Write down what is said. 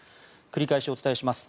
繰り返しお伝えします。